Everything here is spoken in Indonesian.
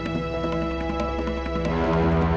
yang menjaga keamanan bapak reno